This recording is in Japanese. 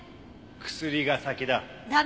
薬が先だ。